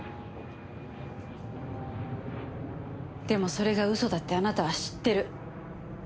でもそれが嘘だってあなたは知ってる。